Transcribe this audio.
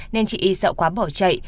nên chị y sợ quá bỏ chạy